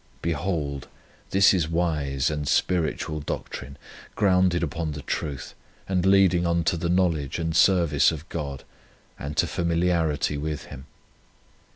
Behold, 43 On Union with God this is wise and spiritual doctrine, grounded upon the truth, and leading unto the knowledge and service of God, and to familiarity with Him.